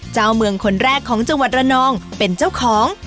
เจ้าเมืองคนแรกของจังหวัดระนองเป็นเจ้าของ